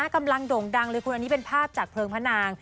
โด่งดังเลยคุณอันนี้เป็นภาพจากเพลิงพระนาง